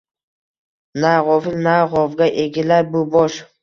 Na gʼofil, na gʼovga egilar bu bosh